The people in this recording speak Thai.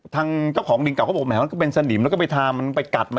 ทางเจ้าของลิงเก่าเขาบอกแหมมันก็เป็นสนิมแล้วก็ไปทามันไปกัดมัน